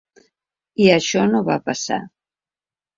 I això no va passar.